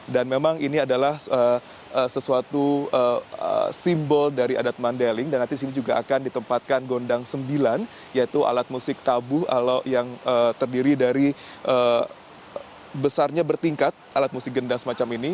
dan memang ini adalah sesuatu simbol dari adat mandailing dan nanti disini juga akan ditempatkan gondang sembilan yaitu alat musik tabu yang terdiri dari besarnya bertingkat alat musik gendang semacam ini